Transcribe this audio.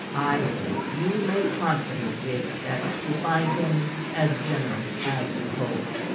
I think you may confidently expect to find him as generous as you hope."